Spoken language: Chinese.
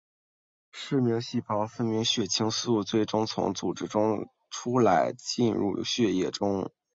嗜铬细胞分泌的血清素最终从组织中出来进入血液中。